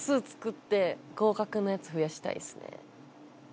合格のやつ増やしたいっすね。